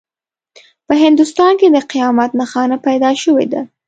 په هندوستان کې د قیامت نښانه پیدا شوې ده.